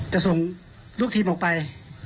จะส่งลูกทีมออกไป